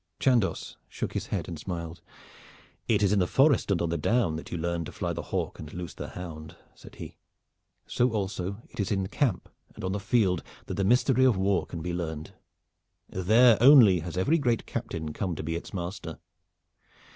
Chandos shook his head and smiled. "It is in the forest and on the down that you learn to fly the hawk and loose the hound," said he. "So also it is in camp and on the field that the mystery of war can be learned. There only has every great captain come to be its master.